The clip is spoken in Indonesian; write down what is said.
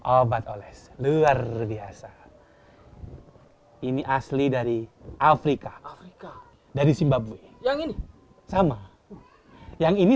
obat oles luar biasa ini asli dari afrika afrika dari simbab yang ini sama yang ini